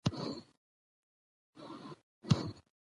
توريال ، تړون ، توريالی ، تازه گل ، چمبېلى ، چمتو